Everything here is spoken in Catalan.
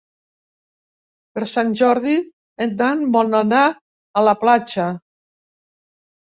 Per Sant Jordi en Dan vol anar a la platja.